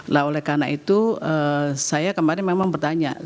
nah oleh karena itu saya kemarin memang bertanya